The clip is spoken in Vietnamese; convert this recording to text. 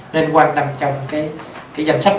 nên quan tâm trong cái danh sách